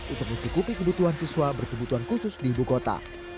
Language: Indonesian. untuk mencukupi kebutuhan siswa berkebutuhan khusus di ibu kota